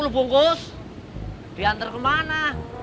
dua puluh bungkus diantar kemana